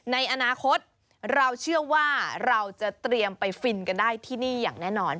ในอนาคตเราเชื่อว่าเราจะเตรียมไปฟินกันได้ที่นี่อย่างแน่นอน